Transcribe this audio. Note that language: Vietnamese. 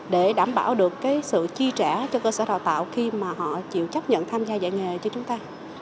để đảm bảo được cái sự chi trả cho cơ sở đào tạo khi mà họ chịu chấp nhận tham gia dạy nghề cho chúng ta